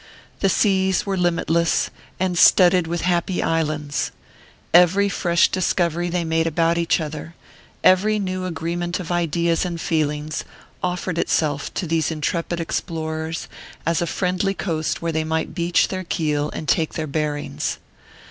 The seas were limitless, and studded with happy islands: every fresh discovery they made about each other, every new agreement of ideas and feelings, offered itself to these intrepid explorers as a friendly coast where they might beach their keel and take their bearings.